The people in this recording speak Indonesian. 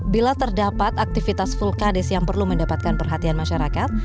bila terdapat aktivitas vulkanis yang perlu mendapatkan perhatian masyarakat